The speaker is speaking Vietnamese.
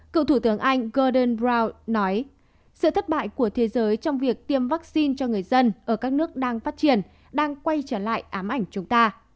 cựu thủ tướng anh golden brown nói sự thất bại của thế giới trong việc tiêm vaccine cho người dân ở các nước đang phát triển đang quay trở lại ám ảnh chúng ta